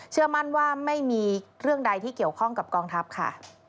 เชื่อมั่นว่าไม่มีเรื่องใดที่เกี่ยวข้องกับกองทัพค่ะ